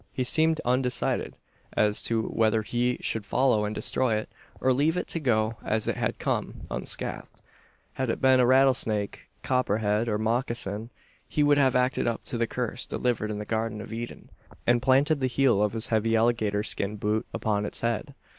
He seemed undecided as to whether he should follow and destroy it, or leave it to go as it had come unscathed. Had it been a rattlesnake, "copperhead," or "mocassin," he would have acted up to the curse delivered in the garden of Eden, and planted the heel of his heavy alligator skin boot upon its head.